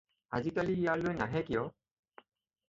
আজিকালি ইয়ালৈ নাহে কিয়?